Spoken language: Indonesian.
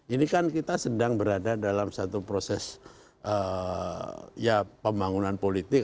ini kan kita sedang berada dalam satu proses ya pembangunan politik